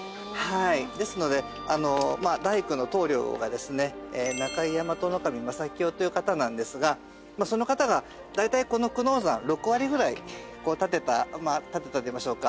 ですので大工の棟梁がですね中井大和守正清という方なんですがその方が大体この久能山６割ぐらい建てた建てたといいましょうか。